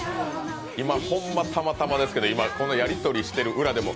今、ほんまたまたまですけどやりとりしてる裏でも